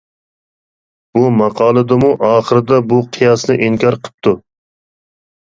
بۇ ماقالىدىمۇ ئاخىرىدا بۇ قىياسنى ئىنكار قىپتۇ.